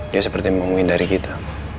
dia seperti menghindari kita